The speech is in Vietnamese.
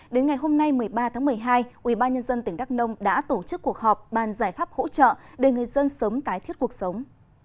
đến ngày hôm nay một mươi ba tháng một mươi hai ubnd tỉnh đắk nông đã tổ chức cuộc họp bàn giải pháp hỗ trợ để người dân sớm tái thiết cuộc sống